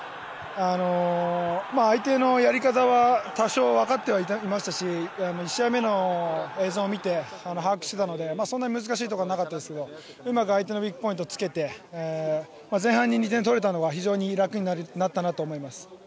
相手のやり方は多少分かっていましたし１試合目の映像を見て把握していたのでそんなに難しいとかはなかったですけどうまく相手のウィークポイントをつけて前半に２点取れたのは非常に楽になったと思います。